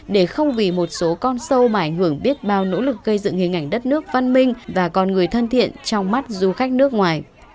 để không vì một số con sâu mà ảnh hưởng biết bao nỗ lực gây dựng hình ảnh đất nước văn minh và con người thân thiện trong mắt du khách nước ngoài